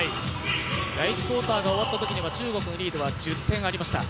第１クオーターが終わったときは中国のリードは１０点ありました。